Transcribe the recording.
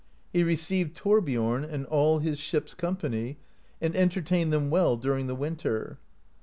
He received Thorbiom and all of his ship's company, and entertained them well during the winter.